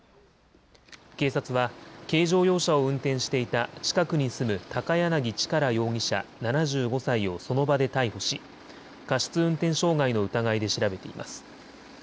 警察は軽乗用車を運転していた近くに住む高やなぎ力容疑者、７５歳をその場で逮捕し、過失運転傷害の疑いで調べています。